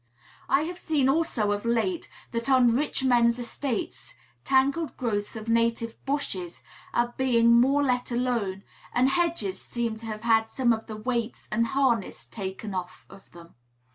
I have seen also of late that on rich men's estates tangled growths of native bushes are being more let alone, and hedges seem to have had some of the weights and harness taken off of them.